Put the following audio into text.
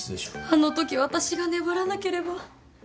あのとき私が粘らなければ。